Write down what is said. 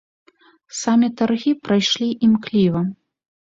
Самі таргі прайшлі імкліва.